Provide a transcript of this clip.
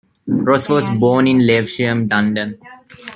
Ross was born in Lewisham, London.